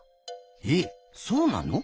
えっそうなの？